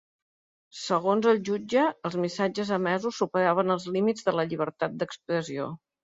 Segons el jutge, els missatges emesos superaven els límits de la llibertat d’expressió.